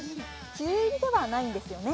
梅雨入りではないんですよね？